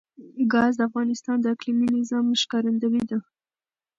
ګاز د افغانستان د اقلیمي نظام ښکارندوی ده.